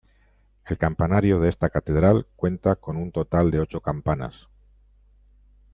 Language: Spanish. El campanario de esta Catedral cuenta con un total de ocho campanas.